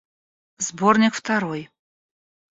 Сборник второй.